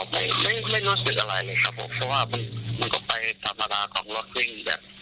ไม่รู้สึกอะไรเลยครับผมเพราะว่ามันก็ไปธรรมดากล่องรถวิ่ง